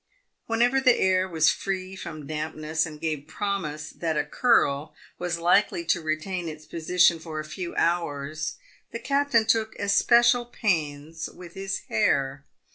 "Whenever the air was free from dampness and gave promise that a curl was likely to retain its position for a few hours, the captain took especial pains with his hair.